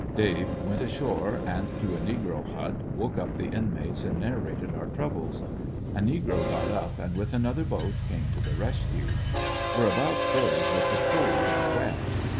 Dave went ashore and to a negro hut, woke up the inmates, and narrated our troubles. A negro got up, and with another boat came to the rescue. Were about froze with the cold and wet.